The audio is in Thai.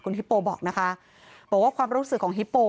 ฮิปโปบอกนะคะบอกว่าความรู้สึกของฮิปโป